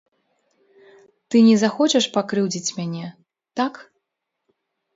Ты не захочаш пакрыўдзіць мяне, так?